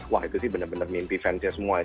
wah itu sih bener bener mimpi fans nya semua ya